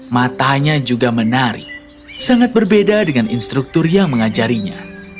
matanya juga menarik sangat berbeda dengan instruktur yang mengajarinya